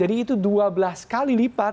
jadi itu dua belas kali lipat dibandingkan